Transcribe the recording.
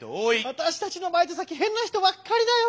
私たちのバイト先変な人ばっかりだよ。